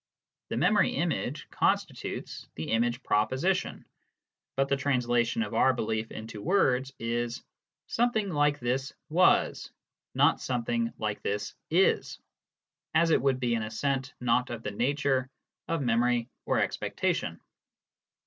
The memory image constitutes the image proposition, but the translation of our belief into words is "something like this was," not "something like this is," as it would be an assent not of the nature of memory or expectation.